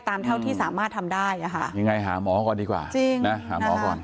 เท่าที่สามารถทำได้อ่ะค่ะยังไงหาหมอก่อนดีกว่าจริงนะหาหมอก่อน